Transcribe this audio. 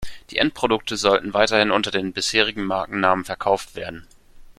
Die Endprodukte sollten weiterhin unter den bisherigen Markennamen verkauft werden.